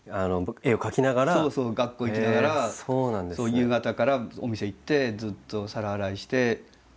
学校行きながら夕方からお店行ってずっと皿洗いして。